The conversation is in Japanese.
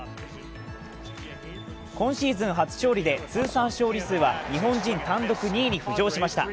今シーズン初勝利で通算勝利数は日本人単独２位に浮上しました。